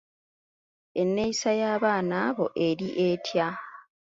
Enneeyisa y'abaana abo eri etya?